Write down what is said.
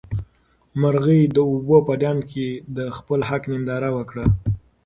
مرغۍ د اوبو په ډنډ کې د خپل حق ننداره وکړه.